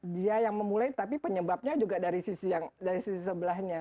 dia yang memulai tapi penyebabnya juga dari sisi sebelahnya